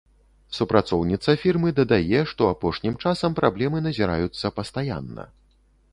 Супрацоўніца фірмы дадае, што апошнім часам праблемы назіраюцца пастаянна.